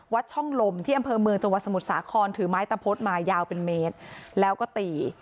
ช่องลมที่อำเภอเมืองจังหวัดสมุทรสาครถือไม้ตะพดมายาวเป็นเมตรแล้วก็ตี